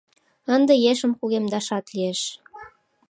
Ынде ешым кугемдашат лиеш.